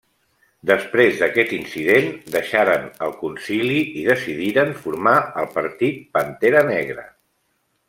Després d'aquest incident, deixaren el Concili i decidiren formar el Partit Pantera Negra.